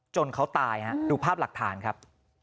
เขาตายฮะดูภาพหลักฐานครับ